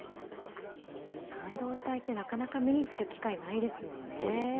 半導体ってなかなか目にする機会ないですもんね。